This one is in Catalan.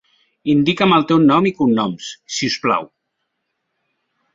Indica'm el teu nom i cognoms, si us plau.